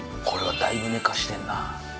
これはだいぶ寝かしてるな。